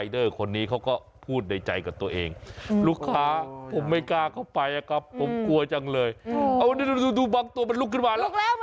ดูบังตัวมันลุกขึ้นมาแล้วลุกแล้วมันจะเรียกพวกเปล่า